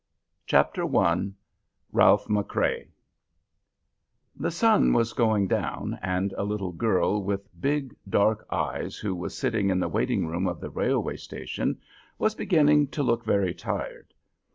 CHAPTER I. RALPH MCCREA. The sun was going down, and a little girl with big, dark eyes who was sitting in the waiting room of the railway station was beginning to look very tired.